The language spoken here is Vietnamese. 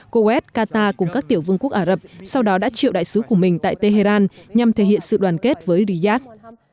kowas qatar cùng các tiểu vương quốc ả rập sau đó đã triệu đại sứ của mình tại tehran nhằm thể hiện sự đoàn kết với reyad